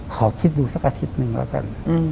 ขอคิดดูสักอาทิตย์หนึ่งแล้วกัน